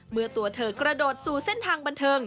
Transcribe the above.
เมื่อตัวเธอกระโดดสู่เส้นทางบันเทิง